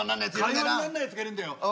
会話になんないやつがいるんだよ。